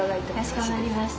かしこまりました。